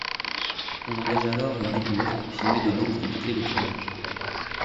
On engagea alors une doublure, filmée de dos pour boucler le tournage.